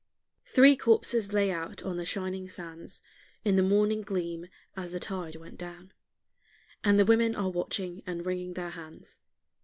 Three corpses lay out on the shining sands In the morning gleam as the tide went down, And the women are watching and wringing their hands.